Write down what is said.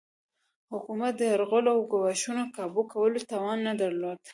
حکومت د یرغلونو او ګواښونو کابو کولو توان نه درلود.